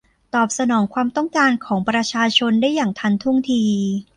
ตอบสนองความต้องการของประชาชนได้อย่างทันท่วงที